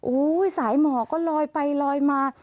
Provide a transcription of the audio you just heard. อู้ยสายหมอก็ลอยไปลอยมา